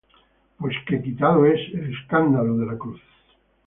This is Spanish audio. pues que quitado es el escándalo de la cruz.